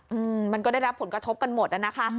อืมมันก็ได้รับผลกระทบกันหมดอ่ะนะคะ